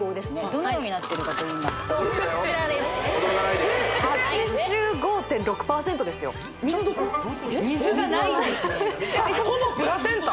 どのようになってるかといいますとこちらです８５．６％ですよ・水がないんですねほぼプラセンタ？